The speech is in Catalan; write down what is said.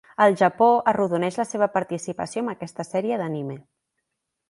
El Japó, arrodoneix la seva participació amb aquesta sèrie d'anime.